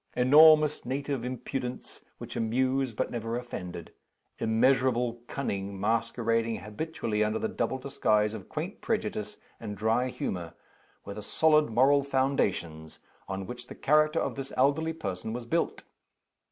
Enormous native impudence, which amused but never offended; immeasurable cunning, masquerading habitually under the double disguise of quaint prejudice and dry humor, were the solid moral foundations on which the character of this elderly person was built.